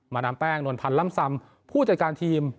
ดามแป้งนวลพันธ์ล่ำซำผู้จัดการทีม